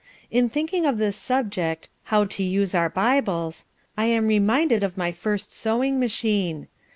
In thinking of this subject: 'How to use our Bibles,' I am reminded of my first sewing machine.